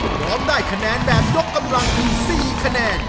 พร้อมได้คะแนนแบบยกกำลังถึง๔คะแนน